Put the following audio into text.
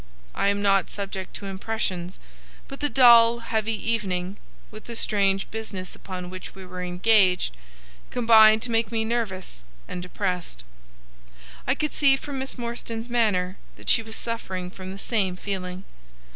I am not subject to impressions, but the dull, heavy evening, with the strange business upon which we were engaged, combined to make me nervous and depressed. I could see from Miss Morstan's manner that she was suffering from the same feeling.